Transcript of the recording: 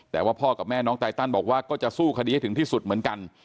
แต่ว่าพ่อกับแม่น้องไตตันบอกว่าก็จะสู้คดีให้ถึงที่สุดเหมือนกัน